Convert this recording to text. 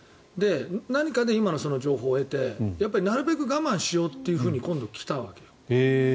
何かで今の情報を得てなるべく我慢しようって今度来たわけ。